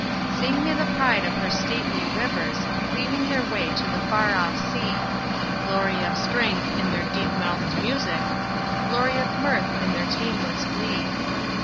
Sing me the pride of her stately rivers, Cleaving their way to the far off sea; Glory of strength in their deep mouth'd music Glory of mirth in their tameless glee.